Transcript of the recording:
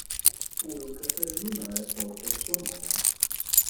Pure un cratere lunare porta il suo nome.